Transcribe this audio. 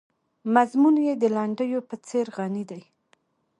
مضمون یې د لنډیو په څېر غني دی.